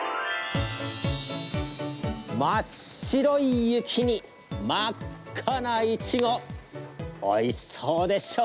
真っ白い雪に真っ赤なイチゴおいしそうでしょ？